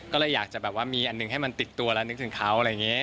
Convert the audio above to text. ก็เลยอยากจะแบบว่ามีอันหนึ่งให้มันติดตัวและนึกถึงเขาอะไรอย่างนี้